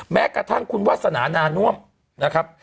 แม้กระทั่งคุณวาสนานาน่วมนะครับ